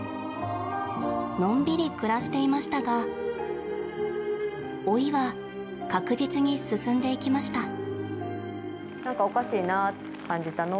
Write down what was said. のんびり暮らしていましたが老いは確実に進んでいきました。